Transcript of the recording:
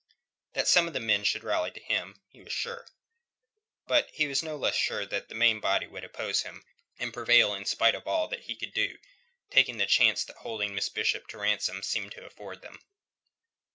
That some of the men would rally to him, he was sure. But he was no less sure that the main body would oppose him, and prevail in spite of all that he could do, taking the chance that holding Miss Bishop to ransom seemed to afford them.